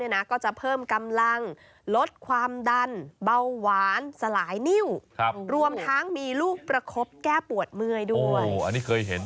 นิ่วครับรวมทั้งมีลูกประคบแก้ปวดเมื่อยด้วยอ๋ออันนี้เคยเห็น